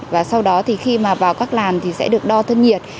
và sau đó thì khi mà vào các làn thì sẽ được đo thân nhiệt